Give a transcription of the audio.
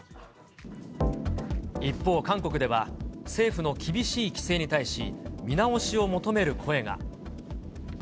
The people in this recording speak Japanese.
一方、韓国では政府の厳しい規制に対し、見直しを求める声が。